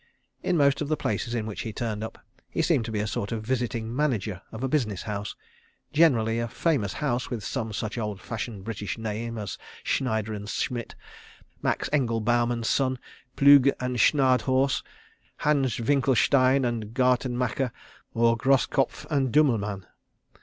In most of the places in which he turned up, he seemed to be a sort of visiting manager of a business house—generally a famous house with some such old fashioned British name as Schneider and Schmidt; Max Englebaum and Son; Plügge and Schnadhorst; Hans Wincklestein and Gartenmacher; or Grosskopf and Dümmelmann.